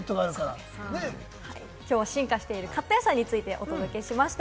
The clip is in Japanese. きょうは進化しているカット野菜についてお届けしました。